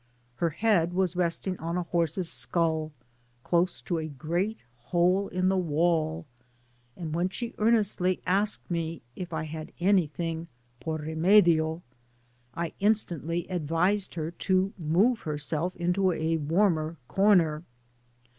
Her head was resting on a horse's skull, close to a great hole in the wall, and when she earnestly asked me if I had any thing por remAiio,'' I instantly advised her to move her self into a warmer comer.